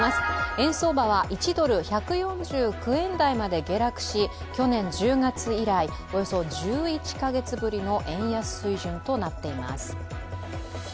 円相場は１ドル＝１４９円台まで下落し、去年１０月以来およそ１１か月ぶりの円安水準となっています。